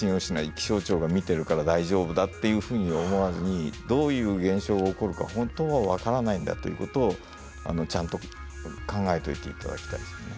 気象庁が見てるから大丈夫だっていうふうに思わずにどういう現象が起こるか本当は分からないんだということをちゃんと考えておいて頂きたいですよね。